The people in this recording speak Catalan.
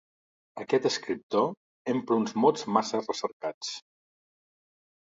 Aquest escriptor empra uns mots massa recercats.